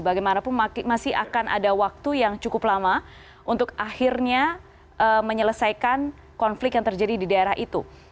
bagaimanapun masih akan ada waktu yang cukup lama untuk akhirnya menyelesaikan konflik yang terjadi di daerah itu